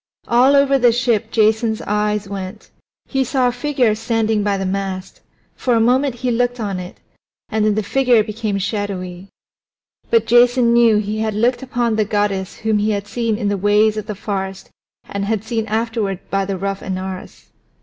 All over the ship Jason's eyes went. He saw a figure standing by the mast; for a moment he looked on it, and then the figure became shadowy. But Jason knew that he had looked upon the goddess whom he had seen in the ways of the forest and had seen afterward by the rough Anaurus.